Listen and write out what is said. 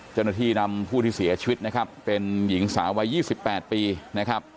เจ้าหน้าที่นำผู้ที่เสียชีวิตนะครับเป็นหญิงสาววัย๒๘ปีนะครับ